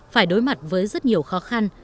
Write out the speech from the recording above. phải đối mặt với rất nhiều khó khăn